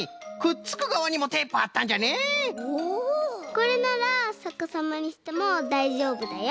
これならさかさまにしてもだいじょうぶだよ！